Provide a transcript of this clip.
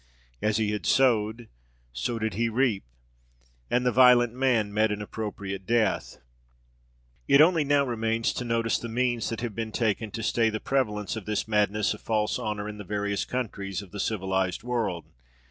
As he had sowed, so did he reap; and the violent man met an appropriate death. It now only remains to notice the means that have been taken to stay the prevalence of this madness of false honour in the various countries of the civilised world.